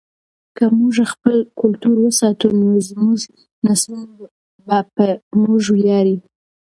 که موږ خپل کلتور وساتو نو زموږ نسلونه به په موږ ویاړي.